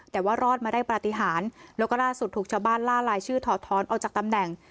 แต่ว่ารอดมาได้ปฏิหารแล้วก็ล่าสุดถูกชาวบ้านล่าลายชื่อถอดท้อนออกจากตำแหน่ง